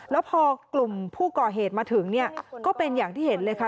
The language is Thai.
แล้วพอกลุ่มผู้ก่อเหตุมาถึงเนี่ยก็เป็นอย่างที่เห็นเลยค่ะ